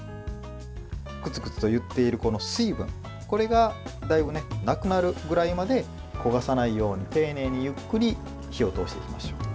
グツグツといっているこの水分、これがだいぶなくなるくらいまで焦がさないように丁寧にゆっくり火を通していきましょう。